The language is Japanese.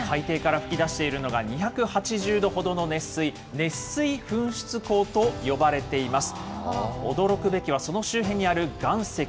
海底から噴き出しているのが２８０度ほどの熱水、熱水噴出孔と呼ばれています。